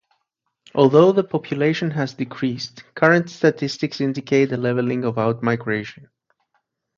Although the population has decreased, current statistics indicate a leveling of out-migration.